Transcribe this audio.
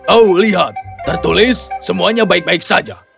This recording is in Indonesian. oh lihat tertulis semuanya baik baik saja